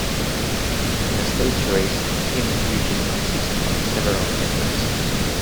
In a stage race, teams usually consist of several members.